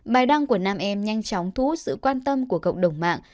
bài đăng của nam em nhanh chóng thú sự quan tâm của cộng đồng mạng